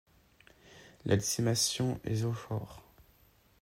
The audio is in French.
La dissémination est zoochore.